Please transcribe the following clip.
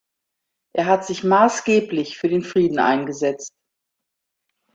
Er hat sich maßgeblich für den Frieden eingesetzt.